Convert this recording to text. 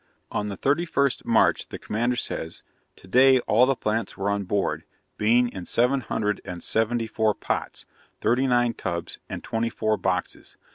On the 31st March, the Commander says, 'To day, all the plants were on board, being in seven hundred and seventy four pots, thirty nine tubs, and twenty four boxes.